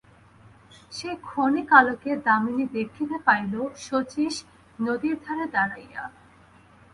সেই ক্ষণিক আলোকে দামিনী দেখিতে পাইল, শচীশ নদীর ধারে দাঁড়াইয়া।